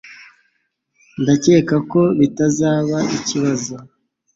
Ndakeka ko bitazaba ikibazo